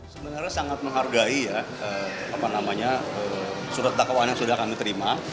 sebenarnya sangat menghargai surat dakwaan yang sudah kami terima